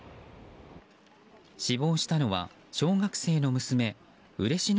死亡したのは小学生の娘嬉野